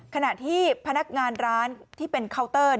ขณะที่พนักงานร้านที่เป็นเคาน์เตอร์